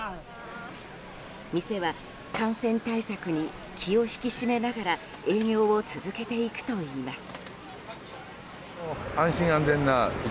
店は感染対策に気を引き締めながら営業を続けていくといいます。